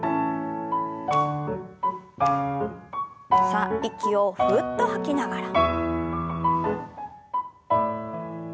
さあ息をふうっと吐きながら。